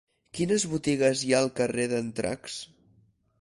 Quines botigues hi ha al carrer d'Andratx?